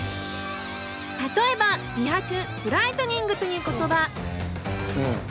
例えば「美白」「ブライトニング」という言葉。